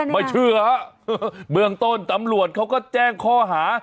ไม่เชื่อฮะเบื้องต้นตำรวจเขาก็แจ้งข้อหา